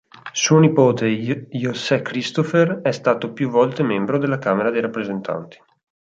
Suo nipote José Christopher è stato più volte membro della Camera dei rappresentanti.